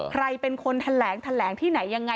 ใครเป็นคนแถลงแถลงที่ไหนยังไง